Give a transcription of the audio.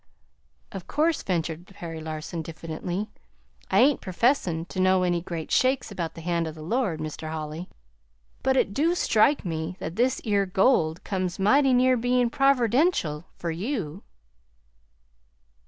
"Of course," ventured Perry Larson diffidently, "I ain't professin' ter know any great shakes about the hand of the Lord, Mr. Holly, but it do strike me that this 'ere gold comes mighty near bein' proverdential fur you."